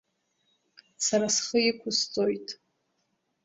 Сара схы иқәсҵоит.